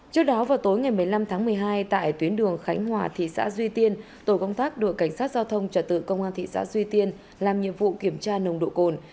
trước đó vào tối ngày một mươi năm tháng một mươi hai tại tuyến đường khánh hòa thị xã duy tiên tổ công tác đội cảnh sát giao thông trả tự công an thị xã duy tiên làm nhiệm vụ kiểm tra nồng độ cồn